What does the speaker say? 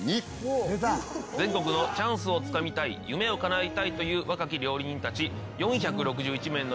全国のチャンスをつかみたい夢をかなえたいという若き料理人たち４６１名の頂点が決まります。